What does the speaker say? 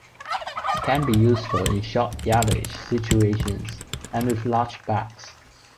It can be useful in short yardage situations, and with large backs.